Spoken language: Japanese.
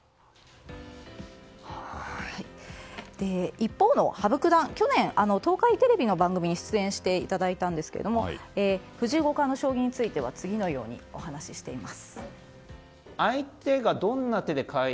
一方の羽生九段は去年、東海テレビの番組に出演していただいたんですが藤井五冠の将棋については次のようにお話ししています。